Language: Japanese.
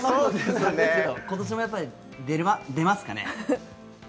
今年もやっぱり出ますかね？